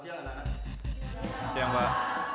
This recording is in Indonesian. selamat siang pak